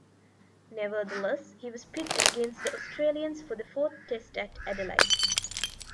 Nevertheless, he was picked against the Australians for the fourth Test at Adelaide.